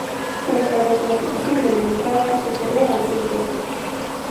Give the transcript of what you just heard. Tras la desamortización de Mendizabal se cerró al culto.